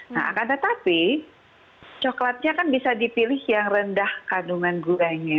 nah akan tetapi coklatnya kan bisa dipilih yang rendah kandungan guranya